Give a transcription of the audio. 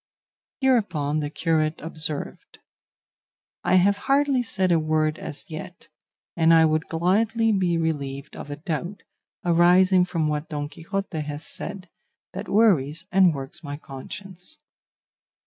Hereupon the curate observed, "I have hardly said a word as yet; and I would gladly be relieved of a doubt, arising from what Don Quixote has said, that worries and works my conscience."